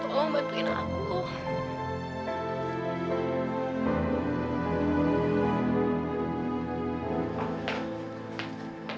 toh bantuin aku